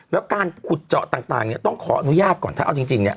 แล้วการขุดเจาะต่างเนี่ยต้องขออนุญาตก่อนถ้าเอาจริงเนี่ย